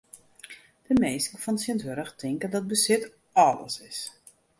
De minsken fan tsjintwurdich tinke dat besit alles is.